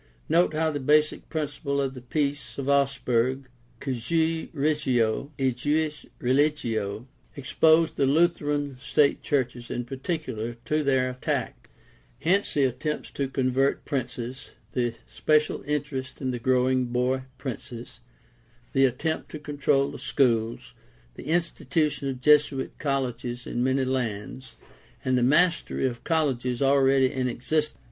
Note how the basic principle of the Peace of Augsburg, Cujus regio, ejus religio, exposed the Lutheran state churches in particular to their attack. Hence the attempts to convert princes, the special interest in the growing boy princes, the attempt to control the schools, the institution of Jesuit colleges 4IO GUIDE TO STUDY OF CHRISTIAN RELIGION in many lands, and the mastery of colleges already in exist ence.